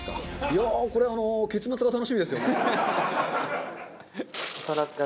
いやあこれあの結末が楽しみですよね。